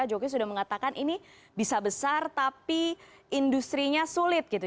jokowi sudah mengatakan ini bisa besar tapi industri nya sulit gitu